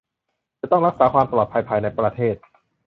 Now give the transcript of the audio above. จะต้องรักษาความปลอดภัยภายในประเทศ